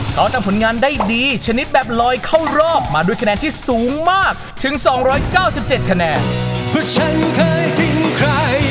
เพราะฉันเคยทิ้งใคร